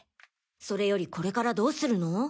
それよりこれからどうするの？